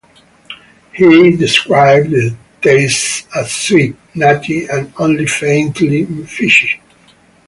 He described the taste as sweet, nutty and only faintly fishy.